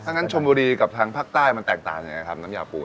งั้นชนบุรีกับทางภาคใต้มันแตกต่างยังไงครับน้ำยาปู